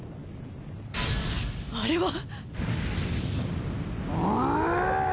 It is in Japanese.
あれは！？